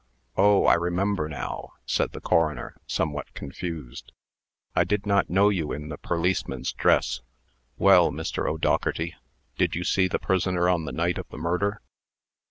oh! I remember, now," said the coroner, somewhat confused. "I did not know you in the perliceman's dress. Well, Mr. O'Dougherty, did you see the prisoner on the night of the murder?"